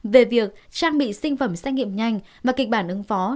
về việc trang bị sinh phẩm xét nghiệm nhanh và kịch bản ứng phó